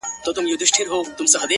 • يو څو د ميني افسانې لوستې؛